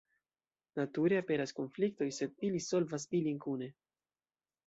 Nature, aperas konfliktoj, sed ili solvas ilin kune.